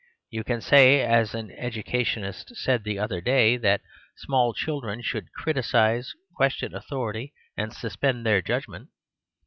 You can say, as an educationist said the other day, that small children should "criticise, question authority and suspend their judg ment."